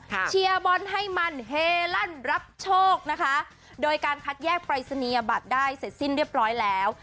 เชียร์บอลให้มันเฮลั่นรับโชคนะคะโดยการคัดแยกปรายศนียบัตรได้เสร็จสิ้นเรียบร้อยแล้ว